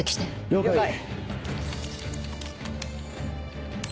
了解。